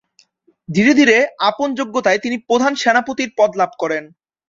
ধীরে ধীরে আপন যোগ্যতায় তিনি প্রধান সেনাপতির পদ লাভ করেন।